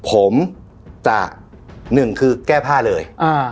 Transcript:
ผมจะ๑แก้ผ้าเลย